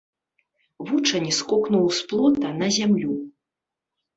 Вучань скокнуў з плота на зямлю.